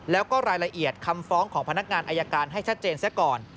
แล้วก็รายละเอียดคำฟ้องของพนักงานอายการให้ชัดเจนซะก่อน